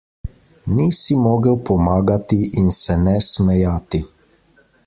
Ni si mogel pomagati in se ne smejati.